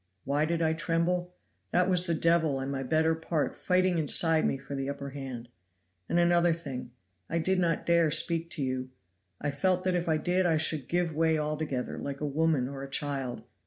Why did I tremble? that was the devil and my better part fighting inside me for the upper hand. And another thing, I did not dare speak to you. I felt that if I did I should give way altogether, like a woman or a child.